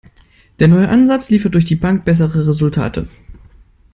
Der neue Ansatz liefert durch die Bank bessere Resultate.